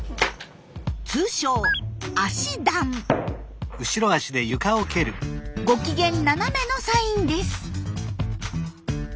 通称ご機嫌斜めのサインです。